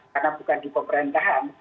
karena bukan di pemerintahan